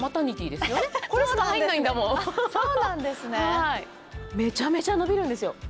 はいめちゃめちゃ伸びるんですよ